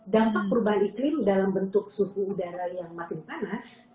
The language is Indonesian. dampak perubahan iklim dalam bentuk suhu udara yang makin panas